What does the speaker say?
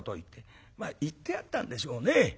言ってあったんでしょうね